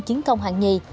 chiến công hạng nhì